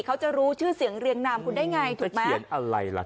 เขาจะรู้ชื่อเสียงเรียงนามคุณได้ไงถูกไหมเสียงอะไรล่ะ